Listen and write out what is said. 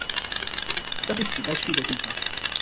要去自己該去的地方